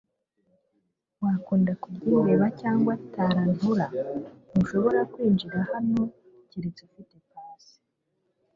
Wakunda kurya imbeba cyangwa tarantula? Ntushobora kwinjira hano keretse ufite pass.